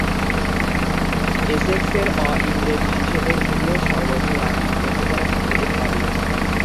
এসেক্সের অ-ইংরেজ হিসেবে তৃতীয় সর্বোচ্চ রান সংগ্রহ করেন সেলিম মালিক।